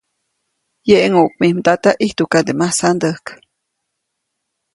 ‒Yeʼŋuʼk mij mdata, ʼijtuʼkande masandäjk-.